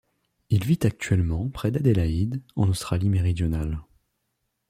Il vit actuellement près d'Adélaïde, en Australie-Méridionale.